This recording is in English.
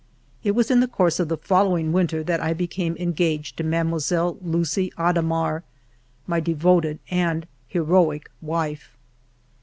It was in the course of the following winter that I became en gaged to Mile. Lucie Hadamard, my devoted and heroic wife.